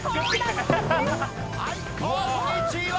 はいこんにちは！